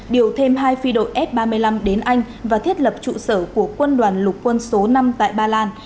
điều thêm hai phi đội f ba mươi năm đến anh và thiết lập trụ sở của quân đoàn lục quân số năm tại ba lan